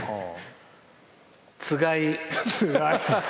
つがい。